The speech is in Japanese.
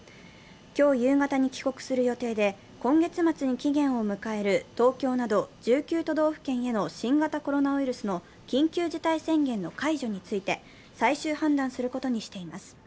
今日夕方に帰国する予定で、今月末に期限を迎える東京など１９都道府県への新型コロナウイルスの緊急事態宣言の解除について最終判断することにしています。